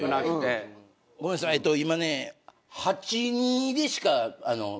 ごめんなさいえっと今ね。